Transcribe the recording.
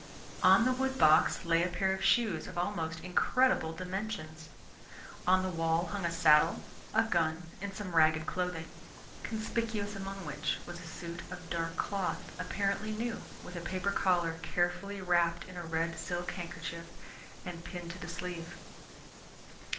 On the wood box lay a pair of shoes of almost incredible dimensions. On the wall hung a saddle, a gun, and some ragged clothing, conspicuous among which was a suit of dark cloth, apparently new, with a paper collar carefully wrapped in a red silk handkerchief and pinned to the sleeve.